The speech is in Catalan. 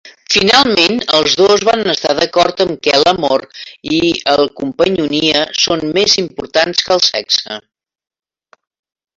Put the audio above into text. Finalment, els dos van estar d'acord amb què l'amor i el companyonia són més importants que el sexe.